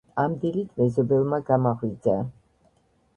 ამ დილით მეზობელმა გამაღვიძა.